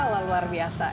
wah luar biasa